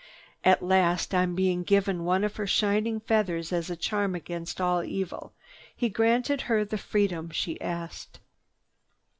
At last, on being given one of her shining feathers as a charm against all evil, he granted her the freedom she asked.